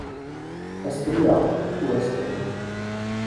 Ez firîyam û ez ketim